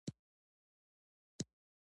افغانستان د هندوکش په اړه څېړنې لري.